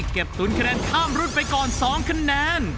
ตุ้นคะแนนข้ามรุ่นไปก่อน๒คะแนน